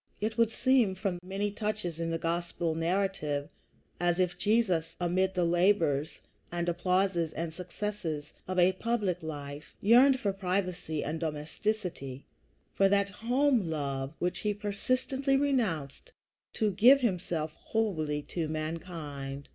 It would seem, from many touches in the Gospel narrative, as if Jesus, amid the labors and applauses and successes of a public life, yearned for privacy and domesticity, for that home love which he persistently renounced to give himself wholly to mankind.